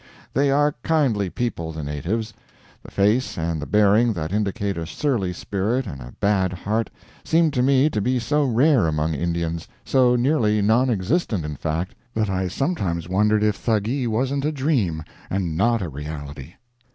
They are kindly people, the natives. The face and the bearing that indicate a surly spirit and a bad heart seemed to me to be so rare among Indians so nearly non existent, in fact that I sometimes wondered if Thuggee wasn't a dream, and not a reality.